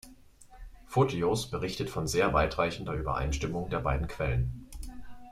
Photios berichtet von sehr weitreichender Übereinstimmung der beiden Quellen.